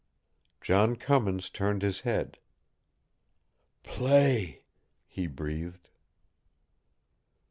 John Cummins turned his head. "Play!" he breathed.